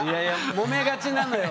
もめがちなのよ。